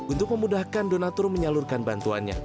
untuk memudahkan donatur menyalurkan bantuannya